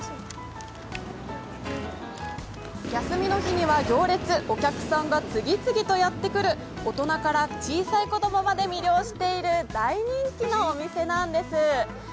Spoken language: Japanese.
休みの日には行列、お客さんが次々とやってくる、大人から小さい子供まで魅了している大人気のお店なんです。